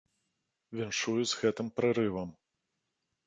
Віншую з гэтым прарывам.